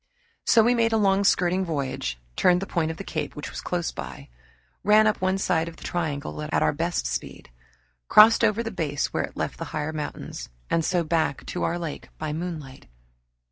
So we made a long skirting voyage, turned the point of the cape which was close by, ran up one side of the triangle at our best speed, crossed over the base where it left the higher mountains, and so back to our lake by moonlight.